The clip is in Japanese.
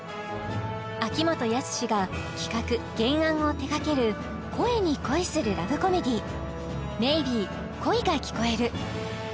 秋元康が企画・原案を手がける声に恋するラブコメディ「Ｍａｙｂｅ恋が聴こえる」